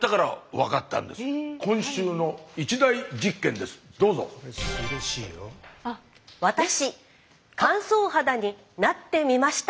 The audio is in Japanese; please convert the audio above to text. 「わたし乾燥肌になってみました」